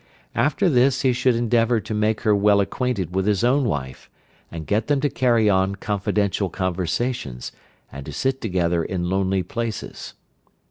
After this he should endeavour to make her well acquainted with his own wife, and get them to carry on confidential conversations, and to sit together in lonely places.